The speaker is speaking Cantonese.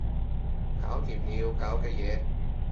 搞掂你要搞嘅嘢